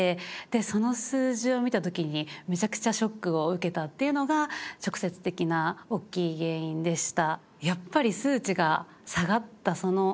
その数字を見た時にめちゃくちゃショックを受けたっていうのが直接的なおっきい原因でした。